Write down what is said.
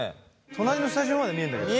隣のスタジオまで見えんだけど。